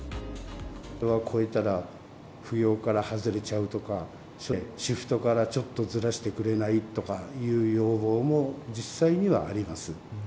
超えたら扶養から外れちゃうとか、シフトからちょっとずらしてくれない？とかいう要望も実際にはあります。